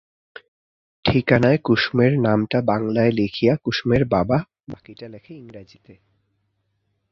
ঠিকানায় কুসুমের নামটা বাঙলায় লিখিয়া কুসুমের বাবা বাকিটা লেখে ইংরেজিতে।